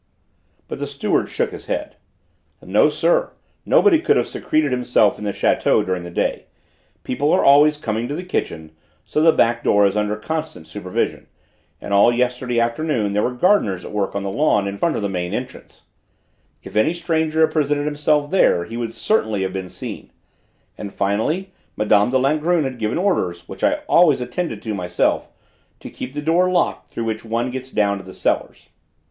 But the steward shook his head. "No, sir, nobody could have secreted himself in the château during the day; people are always coming to the kitchen, so the back door is under constant supervision; and all yesterday afternoon there were gardeners at work on the lawn in front of the main entrance; if any stranger had presented himself there he would certainly have been seen; and finally, Mme. de Langrune had given orders, which I always attended to myself, to keep the door locked through which one gets down to the cellars.